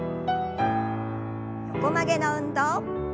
横曲げの運動。